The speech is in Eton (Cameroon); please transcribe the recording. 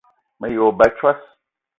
Me ye wo ba a tsos